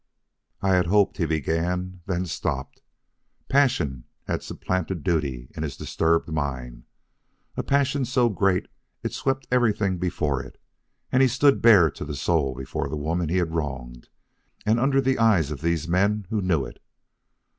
"I had hoped," he began, then stopped. Passion had supplanted duty in his disturbed mind; a passion so great it swept everything before it and he stood bare to the soul before the woman he had wronged and under the eyes of these men who knew it.